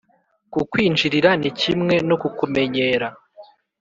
kukwinjirira ni kimwe no kukumenyera